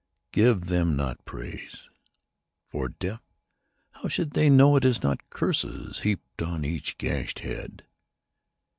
Give them not praise. For, deaf, how should they know It is not curses heaped on each gashed head